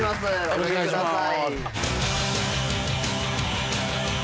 お掛けください。